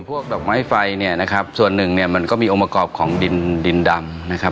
พวกดอกไม้ไฟส่วนหนึ่งมันก็มีองค์ประกอบของดินดำ